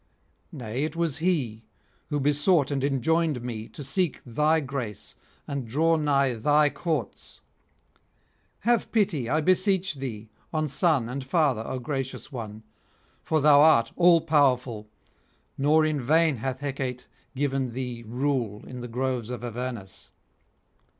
Nay, he it was who besought and enjoined me to seek thy grace and draw nigh thy courts. Have pity, I beseech thee, on son and father, O gracious one! for thou art all powerful, nor in vain hath Hecate given thee rule in the groves of Avernus.